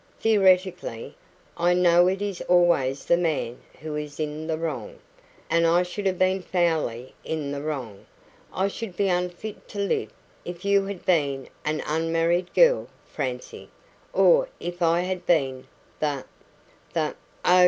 Theoretically, I know it is always the man who is in the wrong, and I should have been foully in the wrong I should be unfit to live if you had been an unmarried girl, Francie or if I had been the the " "Oh!"